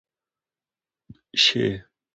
شې.